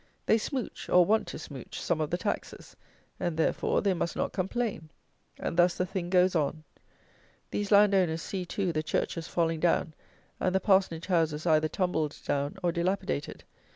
They smouch, or want to smouch, some of the taxes; and, therefore, they must not complain. And thus the thing goes on. These landowners see, too, the churches falling down and the parsonage houses either tumbled down or dilapidated.